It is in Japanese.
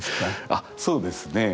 あそうですねえ